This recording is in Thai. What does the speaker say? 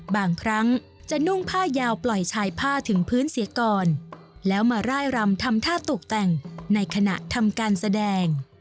บางครั้งจะนุ่งผ้ายาวปล่อยชายผ้าถึงพื้นเสียก่อนแล้วมาร่ายรำทำท่าตกแต่งในขณะทำการแสดง